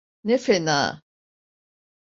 Ne fena.